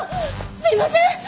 すいません！